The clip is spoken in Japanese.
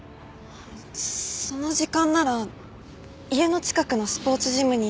その時間なら家の近くのスポーツジムにいたにゃん。